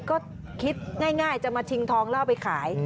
ก็คิดง่ายจะมาชิงทองแล้วเอาไปขาย